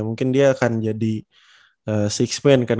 mungkin dia akan jadi six man kan